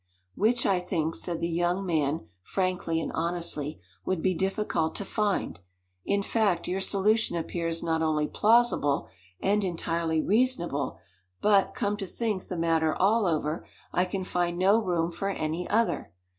"Which, I think," said the young man frankly and honestly, "would be difficult to find. In fact, your solution appears not only plausible, and entirely reasonable, but, come to think the matter all over, I can find no room for any other.